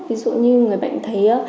ví dụ như người bệnh thấy